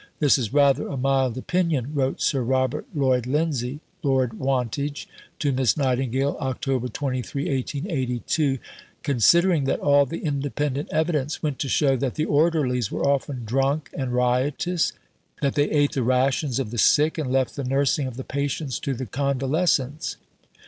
"This is rather a mild opinion," wrote Sir Robert Loyd Lindsay (Lord Wantage) to Miss Nightingale (Oct. 23, 1882), "considering that all the independent evidence went to show that the orderlies were often drunk and riotous, that they ate the rations of the sick, and left the nursing of the patients to the convalescents."